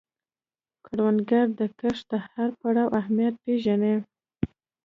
کروندګر د کښت د هر پړاو اهمیت پېژني